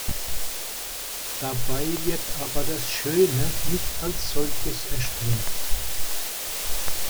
Dabei wird aber das Schöne nicht als solches erstrebt.